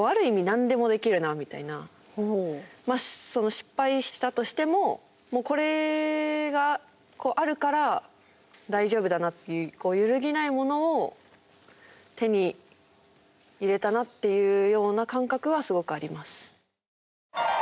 失敗したとしてもこれがあるから大丈夫だなっていう揺るぎないものを手に入れたなっていうような感覚はすごくあります。